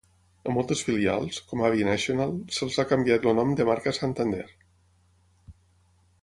A moltes filials, com Abbey National, se'ls ha canviat el nom de marca a Santander.